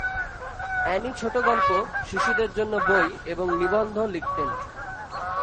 Annie ছোট গল্প, শিশুদের জন্য বই, এবং নিবন্ধ লিখতেন।